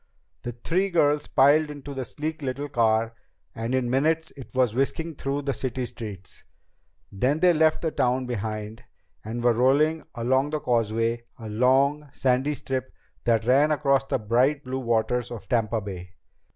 The three girls piled into the sleek little car, and in minutes it was whisking through the city streets. Then they left the town behind and were rolling along the causeway, a long, sandy strip that ran across the bright blue waters of Tampa Bay.